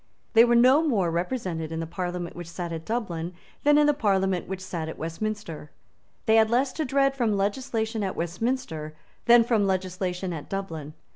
They were no more represented in the parliament which sate at Dublin than in the parliament which sate at Westminster. They had less to dread from legislation at Westminster than from legislation at Dublin.